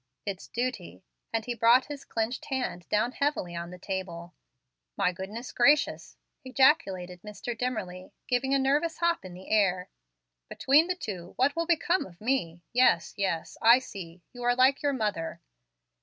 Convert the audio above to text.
It's duty"; and he brought his clenched hand down heavily on the table. "My good gracious!" ejaculated Mr. Dimmerly, giving a nervous hop in the air. "Between the two, what will become of me? Yes, yes; I see. You are like your mother.